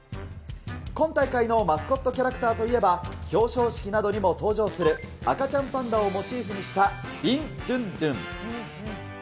今大会のマスコットキャラクターといえば、表彰式などにも登場する、赤ちゃんパンダをモチーフにしたビンドゥンドゥン。